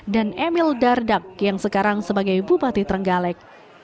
dan emil dardak yang sekarang sebagai bupati terenggalek